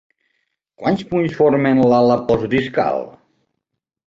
Quants punts formen l'ala postdiscal?